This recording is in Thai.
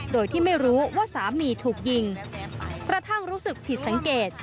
โดยที่ไม่รู้ว่าสามีถูกยิงกระทั่งรู้สึกผิดสังเกต